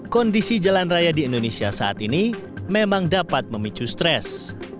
kondisi jalan raya di indonesia saat ini memang dapat memicu stres